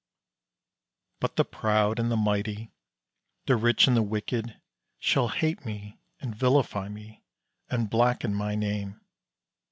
But the proud and the mighty, the rich and the wicked, shall hate me and vilify me, and blacken my name.